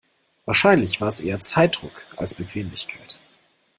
Wahrscheinlich war es eher Zeitdruck als Bequemlichkeit.